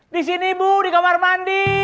disini bu di kamar mandi